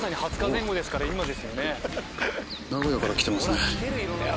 名古屋から来てますね。